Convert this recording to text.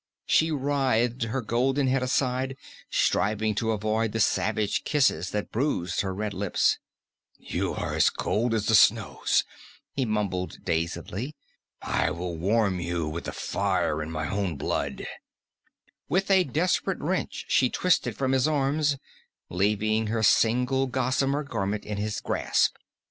She writhed her golden head aside, striving to avoid the savage kisses that bruised her red lips. "You are cold as the snows," he mumbled dazedly. "I will warm you with the fire in my own blood " With a desperate wrench she twisted from his arms, leaving her single gossamer garment in his grasp.